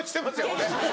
俺。